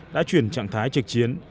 đã chuyển trạng thái trực chiến